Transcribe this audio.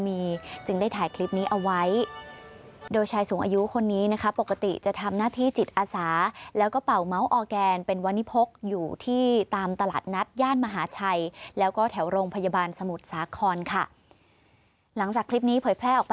อีกหนึ่งคลิปบนโลกออนไลน์จะภายเหรอทราบซึ้งขนาดไหนติดตามกันเลยค่ะ